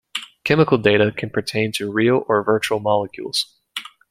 Chemical data can pertain to real or virtual molecules.